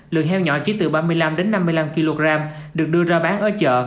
lượng heo nhỏ chỉ từ ba mươi năm năm mươi năm kg được đưa ra bán ở chợ